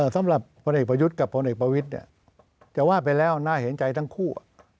สำหรับพลเอกประยุทธ์กับพลเอกประวิทย์จะว่าไปแล้วน่าเห็นใจทั้งคู่